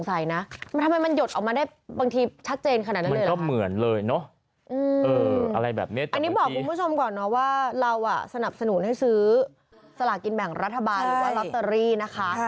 อันนี้บอกคุณผู้ชมก่อนนะว่าเราสนับสนุนให้ซื้อสลากินแบ่งรัฐบาลหรือว่าลอตเตอรี่นะคะ